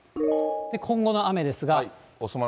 今後の雨ですが。